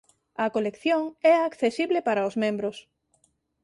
A colección é accesible para os membros.